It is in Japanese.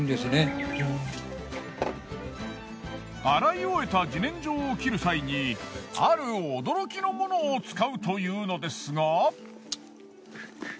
洗い終えた自然薯を切る際にある驚きのものを使うというのですが。